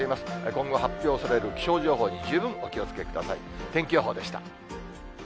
今後発表される気象情報に十分お気をつけください。